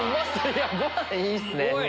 ご飯いいっすね！